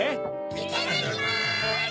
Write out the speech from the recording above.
いただきます！